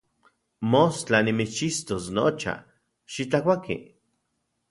Mostla nimitschixtos nocha, xitlakuaki.